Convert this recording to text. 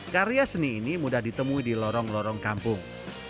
karya seni ini mudah ditemui di lorong lorong kampung